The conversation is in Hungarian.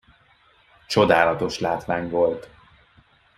Csodálatos látvány volt.